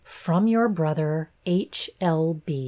'From your brother, H. L.